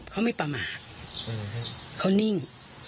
เขาไม่ประมาทเขานิ่ง